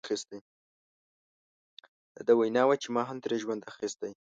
د ده وینا وه چې ما هم ترې ژوند اخیستی.